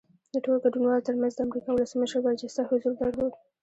د ټولو ګډونوالو ترمنځ د امریکا ولسمشر برجسته حضور درلود